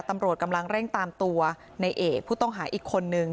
ตำรวจกำลังเร่งตามตัวในเอกผู้ต้องหาอีกคนนึง